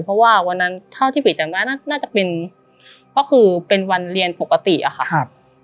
เพราะวันนั้นเท่าที่ปิดจำนั้นน่าจะเป็นวันเรียนปกติอะค่ะ